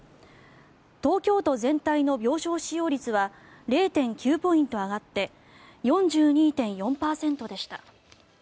東京都全体の病床使用率は０．９ポイント上がって４２．４％でした。